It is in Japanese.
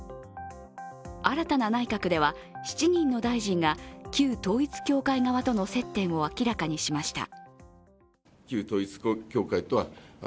新たな内閣では、７人の大臣が旧統一教会側との接点を明らかにしました。